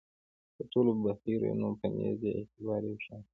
د ټولو بهیرونو په نزد یې اعتبار یو شان دی.